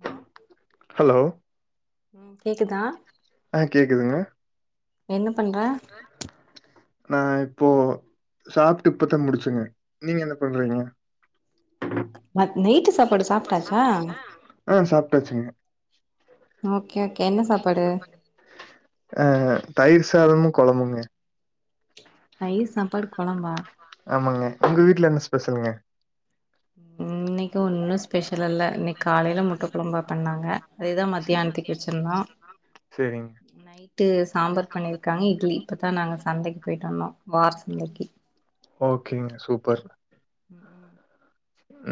நா ஹலோ ஆ கேக்குதுங்க என்ன பண்ற நா இப்போ சாப்ட்டு இப்பதா முடிச்செங்க நீங்க என்ன பண்றீங்க மத் நைட்டு சாப்பாடு சாப்ட்டாச்சா அ சாப்ட்டாச்சுங்க ஓகே ஓகே என்ன சாப்பாடு அ தயிர் சாதமு கொழம்புங்க தயிர் சாப்பாடு கொழம்பா ஆமாங்க உங்க வீட்ல என்ன ஸ்பெஷலுங்க இன்னைக்கு ஒன்னு ஸ்பெஷல் இல்ல இன்னைக் காலைல முட்டக்கொழம்பு பண்ணாங்க அதேதா மத்தியான்த்துக் வெச்சிர்ந்தோ சரிங்க. நைட்டு சாம்பார் பண்ணிருக்காங்க இட்லி இப்பதா நாங்க சந்தைக்கு போய்ட்டு வந்தோ வார சந்தைக்கு ஓகேங்க சூப்பர்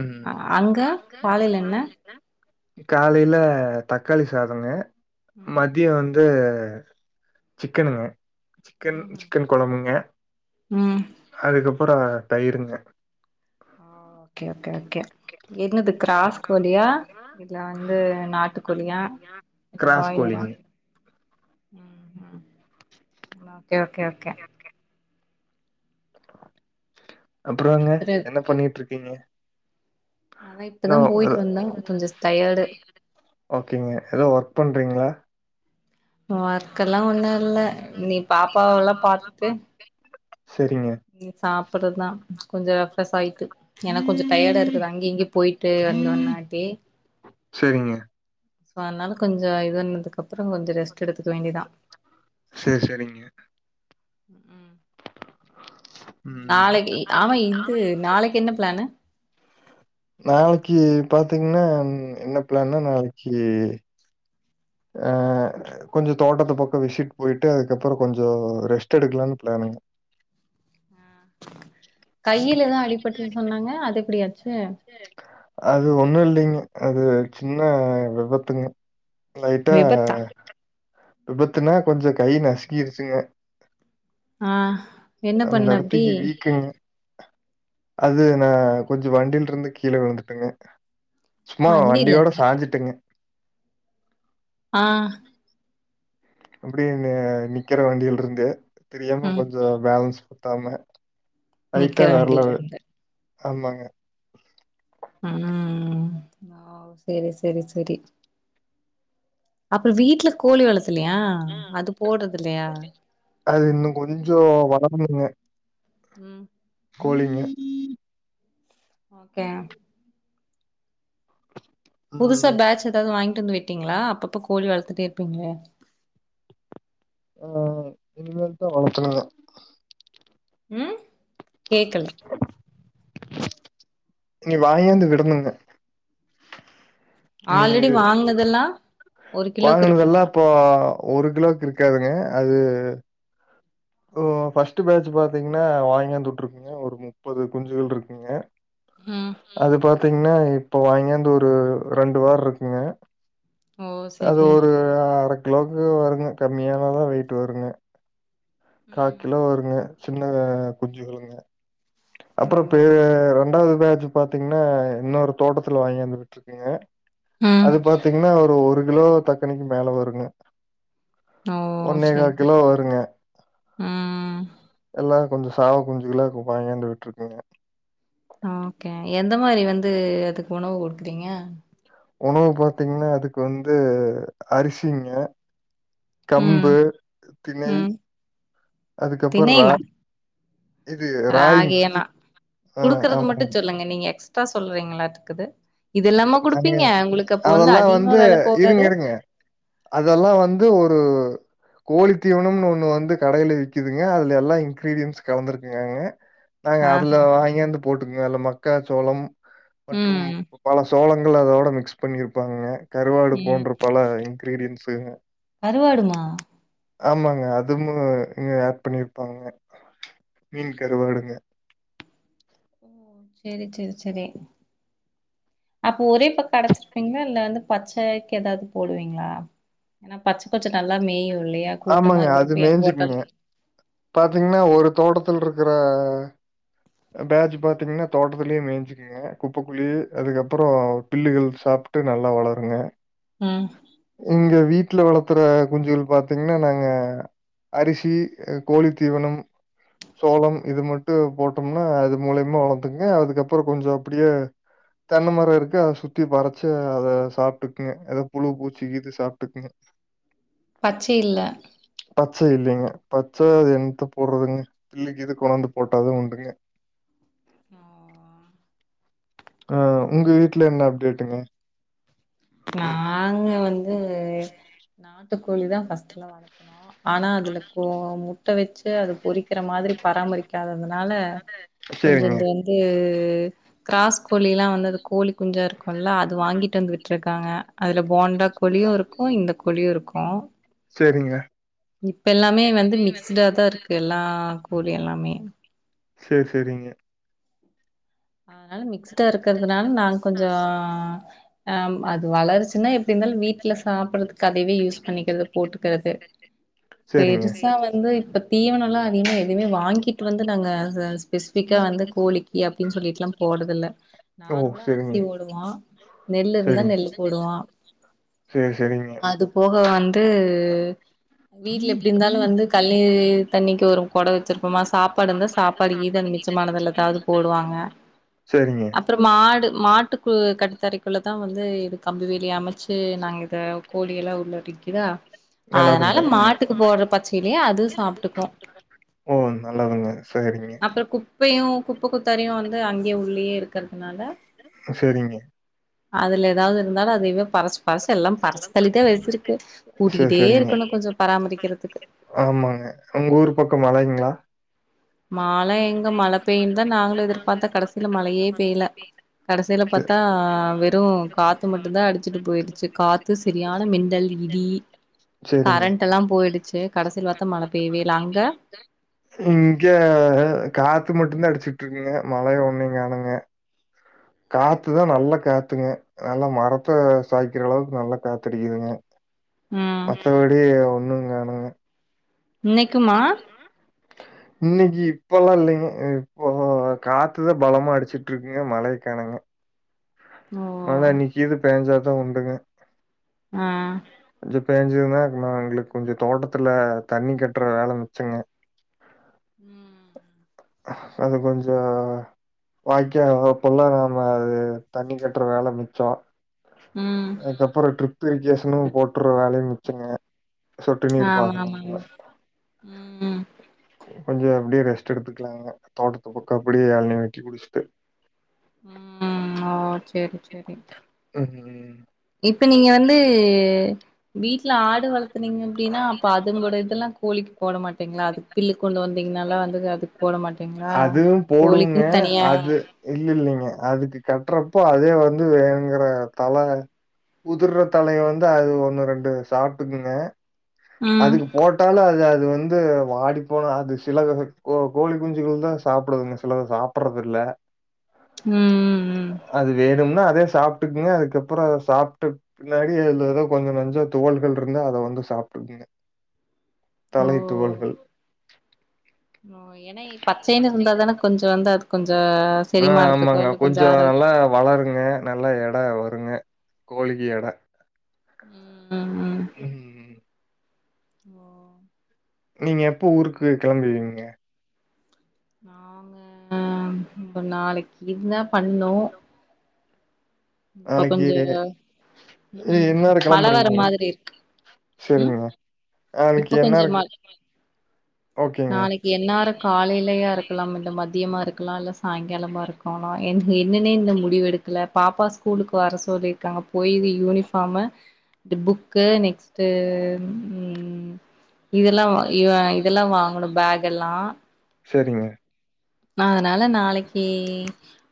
ம். அங்க காலைல என்ன காலைல தக்காளி சாதொங்க மதியோ வ ந்து சிக்கனுங்க சிக்கன் ம் சிக்கன் கொழம்புங்க ம் அதுக்கப் அப்புற தயிருங்க ஓ ஓகே ஓகே ஓகே என்னது க்ராஸ் கோழியா இல்ல வந்து நாட்டு கோழியா இல்ல கிராஸ் பாய்லரா கோழிங்க. ம் ம் ஓகே ஓகே ஓகே அப்புறங்க திரு என்ன பண்ணிட்ருக்கீங்க அதா இப்பதா போய்ட்டு வந்தோ கொஞ்சஸ் டயடு ஓகேங்க எதோ ஒர்க் பண்றீங்ளா ஒர்க்கெல்லா ஒண்ணு இல்ல நீ பாப்பாவல்லா பாத்துட்டு சரிங்க. ம் சாப்பற்றத்தா கொஞ்சோ ஃப்ரெஸ் ஆயி ட்டு எனக் கொஞ்சு டயடா இருக்குதா அங்கய இங்கய போய்ட்டு வந்தோனாட்டி சேரிங்க சோ அத்னால கொஞ்சோ இதண்ணதுக்கப்பறொ கொஞ்சொ ரெஸ்ட்டு எடுத்துக்க வேண்டியதா சேர் சேரிங்க ம் ம் நாளக்கி ஆமா இது நாளக்கி என்ன ப்ளானு நாளக்கி பாத்தீங்னா என்ன ப்ளான்னா நாளக்கி ஆ கொஞ்சொ தோட்டத்து பக்கொ விசிட் போய்ட்டு அதுக்கப்பறொ கொஞ்சொ ரெஸ்ட் எடுக்லான் ப்ளான் அ கையிலதா அடிப்பட்டு சொன்னாங்க அது எப்டியாச்சு அது ஒண்ணு இல்லிங்க அது சின்ன விபத்துங்க லைட்டா விபத்தா விபத்துனா கொஞ்சொ கை நசுங்கிருச்சிங்க ஆ என்ன அந்த பண்ண அப்டி எடத்துக்கு வீக்கங்க அது நா கொஞ்சொ வண்டில்ருந்து கீழ விழுந்துட்டங்க சும்மா வண்டில வண்டியோட இருந்த சாஞ்சுட்டுங்க ஆ அப்டியே நே நிக்கிற வண்டியெல்ருந்து தெரியாம ம் கொஞ்சொ பேலன்ஸ் பத்தாம ஐட்டா நிக்கிற வண்டில வர்ளவு இருந்து ஆமாங்க ம் ஓ சேரி சேரி சேரி அப்பறொ வீட்ல கோழி வளத் அது இன்னு கொஞ்சொ வளர்னுங்க ம் கோழிங்க ஓகே புதுசா ம். பேட்ச் ஏதாவ்து வாய்ங் ட்டு வந்து விட்டீங்ளா அப்பப்ப கோழி வளத்துட்டே இருப்பீங்ளே ஆ இனிமேல்தா வளத்தனுங்க ம் கேக்கல இனி வாங்கியாந்து விடனுங்க ஆல்ரடி வாங்னதெல்லா வாங்குனதெல்லா இப்போ ஒரு கிலோக்கு இருக்காதுங்க அது ஓ ஃபஸ்ட்டு பேச்சு பாத்தீங்கன்னா வாங்கியாந்து உட்ருக்குங்க ஒரு முப்பது குஞ்சுகள் இருக்கிங்க ம் அது பாத்தீங்னா இப்பொ வாங்கியாந்து உர்றதூ ரெண்டு வாரொருக்குங்க ஓ அது செரி ஒரு அர கிலோக்கு வருங்க கம்மியானாதா வெய்ட்டு வருங்க ம் காக்கிலோ வருங்க சின்னத குஞ்சுகளுங்க ஓ அப்பறொ பே ரெண்டாவ்து பேட்ச் பாத்தீங்னா இன்னொரு தோட்டத்துல வாங்கியாந்து விட்ருக்குங்க ம் அது பாத்தீங்கனா ஒரு ஒரு கிலோ தக்கனிக்கு மேல வருங்க ஓ! ஒன்னேக்கா சரி. கிலோ வருங்க ம். எல்லா கொஞ்சொ சாவ குஞ்சுகளு [unintelligible] வாங்கியாந்து உட்ருக்குங்க ஓகே எந்த மாரி வந்து அதுக்கு உணவு குடுக்குறீங்க உணவு பாத்தீங்னா அதுக்கு வந்து அரிசிங்க ம், கம்பு திணை ம். அதுக்கப்பறொ ரா ராகினா ஆ குடுக்குறது மட்டு ஆமாங்க சொல்லுங்க நீங்க எக்ஸ்ட்ரா சொல்றீங்களாட்ருக்குது இதெல்லாமா நாங்க குடுப்பீங்க உங்களுக்கு அப்போ வந்து அதிகமா வெல போகாது அதல்லா வந்து ஒரு கோழி தீவனம்னு ஒண்ணு வந்து கடைல விக்கிதுங்க அதுல எல்லா இன்க்கிரீடியன்ஸ் கலந்துருக்குங்கங்க நாங்க ஆஹ. அதுல வாங்கியாந்து போட்டுங்க அத்ல மக்காச் சோளம் மற்றும் ம், பல சோளங்கள் அதோட மிக்ஸ் பண்ணிருப்பாங்கங்க கருவாடு ம். போன்ற பல இன்க்கிரீடியன்ஸுங்க கருவாடுமா ஆமாங்க அதுவு இங்க ஆட் பண்ணிருப்பாங்க மீன் கருவாடுங்க ஓ சேரி சேரி சேரி அப்ப ஒரே பக்க அடச்சிருப்பீங்ளா இல்ல வந்து பச்சேக்கி ஏதாது போடுவீங்ளா ஏன்னா பச்ச பச்ச நல்லா மேயு ஆமாங்க அது மேஞ்சுக்குங்க பாத்தீங்னா ஒரு தோட்டத்துல்ருக்கு ப அ பேஜு பாத்தீங்னா தோட்டத்துலயே மேஞ்சிக்குங்க குப்பக்ககுள்ளயே அதுக்கப் பறொ பில்லுகள் சாப்ட்டு நல்லா வளருங்க ம். இங்க வீட்ல வளத்துற குஞ்சுகள் பாத் தீங்னா நாங்க அரிசி அ கோழி தீவனம் சோளம் இது மட்டு போட்டொம்னா அது மூலியமா வளந்துங்க அதுக்கப்பறொ கொஞ்சொ அப்டியே தென்ன மரொ இருக்கு அத சுத்தி பறச்ச அத சாப்ட்டுக்குங்க எதோ புழு பூச்சி இது சாப்ட்டுக்குங்க பச்சை இல்ல பச்ச இல்லிங்க பச்ச அது என்த்த போர்றதுங்க பில்லுக்கு இது கொண்டாந்து போட்டாதா உண்டுங்க ஓ ஆ உங்க வீட்ல என்னா அப்டேட்டுங்க நாட்டு கோழிதா ஃபஸ்ட்டுல்லா வளத்துணோ ஆனா அதுல கோ முட்ட வச்சு அது பொறிக்கிற மாதிரி பராமரிக்காதத னால கொஞ்சொ சரிங்க, இந்த வந்து து க்ராஸ் கோழியிலா வந்து அது கோழி குஞ்சா இருக்குல்ல அது வாங்கிட்டு வந்து விட்ருக்காங்க அதுல போண்டா கோழியு இருக்கு இந்த கோழியு இருக்கு சரிங்க. இப்ப எல்லாமே வந்து மிக்ஸுடாதா இருக்கு எல்லா கோழி எல்லாமே சேர் சேரிங்க அத்னால மிக்ஸ்டா இருக்கற்துனால நாங்க கொஞ்சோ ஆம் அது வளருச்சுன்னா எப்டி இருந்தாலு வீட்ல சாப்பற்ரத்துக்கு அதையவே யூஸ் பண்ணிக்கிறது போட்டுக்கற்து சரிங்க. பெருசா வந்து இப்பத் தீவனொல்லா அதிகமா எதுமே வாங்கிட்டு வந்து நாங்க அ ஸ்பெசிஃபிக்கா வந்து கோழிக்கி அப் டின் சொல்லிட்லா போட்றதில்ல ஓ! நார்மலா சரிங்க, அரிசி போடுவோ நெல்லு இருந்தா சரிங்க. நெல்லு போடுவோ சரி, சரிங்க. அது போக வந் து வீட்ல எப்டி இந்தாலு வந்து கல்லே தண்ணிக்கு ஒரு கொட வெச்சிரு போமா சாப்பாடு இந்தா சாப்பாடு கீது அந்த மிச்சமானதல்லா தாது போடுவாங் சரிங்க. அப்பறம் மாடு மாட்டுக்கு கட்டுத்தறிக்குள்ளதா அ வந்து இது கம்பி வேலி அமச்சி நாங்க இத கோழியெல்லா உள்ள எறக்கிதா நல்லதுங்க. அதனால மாட்டுக்கு போர்ற பச்சிலையே அதுவு சாப்ட்டுக்கு ஓ நல்லதுங்க சேரிங்க குப்பு குத்தாரையு வந்து அங்கேயே உள்ளயே இருக்கற்துனால சேரிங்கெ அதுல ஏதாவ்து இருந்தாலு அதய்வே பறசு பறசு எல்லாம் பறசு தள்ளித்தே வெச்சிருக்கு சரி, கூட்டிக்கிட்டே இருக்கணு சரிங்க. கொஞ்சொ பராமரிக்கெறத்துக்கு ஆமாங்க உங்க ஊரு பக்கொ மழைங்ளா மாழ எங்க மழை பெய்யுன்தா நாங்களு எதிர்பாத்தொ கடசீல மழையே பெய்ல கடசீல சே பாத்தா வெறு காத்து மட்டுந்தா அடிச் ட்டு போயிட்ச்சி காத்து செரியான மிந்தல் இடி சேரிங்க. கரண்ட்டல்லா போயிடிச்சி கடசீல பாத்தா மழ பெய்வே இல்ல அங்க இங்க காத்து மட்டுந்தா அடிச்சிக்கிட்ருக்குங்க மழைய ஒன்னையு காணுங்க காத்துதா நல்லா காத்துங்க நல்லா மரத்த சாய்க்கிற அளவுக்கு நல்லா காத்தடிக்கிதுங்க ம் மத்தப்படி ஒண்ணுங் காணொங்க இன்னைக்குமா இன்னக்கி இப்பல்லா இல்லைங்க இப்ப தோ காத்துதா பலமா அடிச்சிட்ருக்குங்க மழையக் காணங்க ஓ மழ இன்னக்கீது பேஞ்சாதா உண்டுங்க ஆ கொஞ்சம் பேஞ்சது தான் இரு எங்களுக்கு கொஞ்சோ தோட்டத்துல தண்ணி கட்டுற வேலை மிச்சங்க ம் அது கொஞ்சோ வாய்க்க வரப்பல்ல நாம அது தண்ணி கட்டுற வேல மிச்சம் ம் அதுக்கப்ரோ டரிப் இரிகேஷனும் போட்டுற வேலையும் மிச்சுங்க சொட்டு நீர் ஆமா ஆமா பாசனங்க ஆமா ம் கொஞ்சோ அப்படியே ரெஸ்ட் எடுத்துக்கலாங்க தோட்டத்து பக்க அப்படியே எழனிய வெட்டி குடிச்சுட்டு ம் ஓ சேரி சேரி உம் உம் உம் இப்ப நீங்க வந்து வீட்டுல ஆடு வளத்துனீங்க அப்படின்னா அப்ப அது கூட இதெல்லாம் கோலிக்கு போட மாட்டேங்களா அதுக்கு பில்லு கொண்டு வந்தீ அதுவும் போடுவங்க கோழிக்குன்னு தனியா அது இல்லல்லைங்க அதுக்கு கட்டுற இப்போ அதே வந்து வேனுங்கிற தலை உதர்ற தலய வந்து அது ஒன்னு ரெண்டு சாப்ட்டுக்குங்க ம் அதுக்கு போட்டாலும் அது அது அது வந்து வாடிப்போனா அது சில கோ கோழி குஞ்சுகள் தான் சாப்பிடுதுங்க சிலத சாப்டடுறது இல்ல ம் ம் ம். அது வேணும்னா அதே சாப்பிட்டுக்குங்க அதுக்கப்புறம் அத சாப்பிட்ட பின்னாடி து ஏதோ கொஞ்சோ நஞ்சோ துவல்கள் இருந்தா அத வந்து சாப் ங்க ஓ தலை துவல்கள் ஏன்னா பச்சைன்னு இருந்தா தானே கொஞ்சோ வந்தா அது கொஞ்சோ ஆ செரிமானத்துக்கோ ஆமாங்க இல்ல கொஞ்சோ ஆரோக்கிய நல்லா வளருங்க நல்லா எடம் வ குங்க கோழிக்கு எட ம் ம் ம் ஓ நீங்க எப்போ ஊருக்கு கிளம்புவீங்க நாங்க ஒரு நாளைக்கு இதுதான் பண்ணும் நாளைக்கு ம் என் நேரம் மழ வர கிளம்புறீங்க மாதிரி இருக்கு ம் சரிங்க நாளைக்கு இப்ப என் கொஞ்சமா நேரம் நாளைக்கு என்னார காலைலியா இருக்கலாம் என்று மத்தியமா இருக்கலாம் இல்ல சாயங்காலமா இருக்காம் என்னன்ன இந்த முடிவு எடுக்கல பாப்பா ஸ்கூலுக்கு வர சொல்லியிருக்காங்க போயது யூனிஃபார்ம் இ புக்கு நெக்ஸ்ட் டு உம் இதெல்லாம் இதெல்லாம் வாங்கணும் பேக் எல்லாம் சரிங்க அதனால நாளைக்கு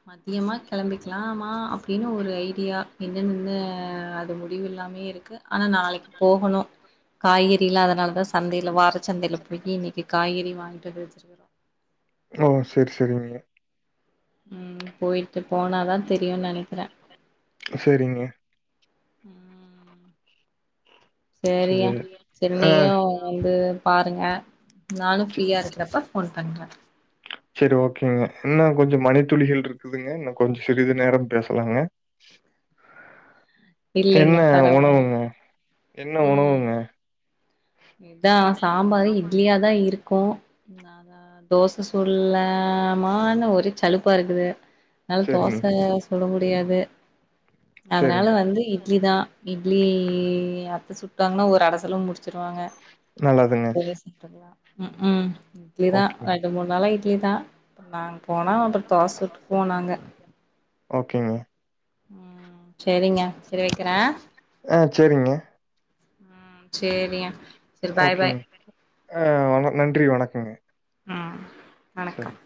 மத்தியமா கிளம்பிக்கலாமா அப்படின்னு ஒரு ஐடியா என்னனு வந்து அது முடிவு இல்லாம இருக்கு ஆனா நாளைக்கு போகணும் காய்கறிலாம் அதனால தா சந்தையில வாரச்சந்தையில போயி இன்னைக்கு காய்கறி வாங்கிட்டு வந்து வச்சிருக்கிற ஓ சரி சரி நீய உம் போயிட்டு போனாதான் சரிங்க சரி. சரியா சரி ஆ நீயும் வந்து பாருங்க நானும் ச ஃப்ரீயா இருக்கிறப்ப ஃபோன் பண்ற சரி ஓகேங்க என்ன கொஞ்சோ மணித்துளிகள் இருக்குதுங்க இன்ன கொஞ்ச சிறிது நேரம் பேசலாங்க என்ன இல்லைங்க பரவால் உணவுங்க என்ன உணவுங்க இதான் சாம்பார் இட்லியா தான் இருக் கு நான் தோச சூல்லமா ஒரே சலுப்பா இருக்குது அதனால சரிங்க, தோச சுட முடியாது அதனால சரிங்க. வந்து இட்லி தா இட்லி அத்த சுட்டாங்கன்னா ஒரு அடைசலும் முடிச்சு வாங்க நல்லதுங்க. வேஸ்ட் பண்ணுவா ம் உம் இப்பதான் ஓகே, ரெண்டு மூணு நாளா ட்லிதான் நாங்க போனா அப்புறம் தோச சுட்டுக்குவோ நாங்க ஓகேங்க. ம் செரிங்க செரி வைக்கிறே ஆ சேரிங்க ம் சேரியா செரி பாய் பாய் ஓகேங்க. ஆ நன்றி வணக்கங்க ம் சரி. வணக்கம்